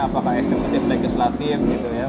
apakah eksekutif legislatif gitu ya